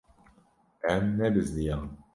Em nebizdiyan.